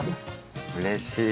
うれしい！